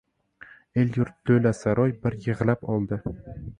El-yurt to‘la saroy bir yig‘lab oldi!